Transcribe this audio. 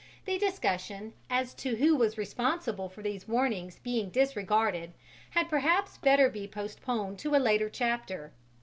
The discussion as to who was responsible for these warnings being disregarded had perhaps better be postponed to a later chapter.